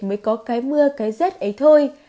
mới có cái mưa cái rét ấy thôi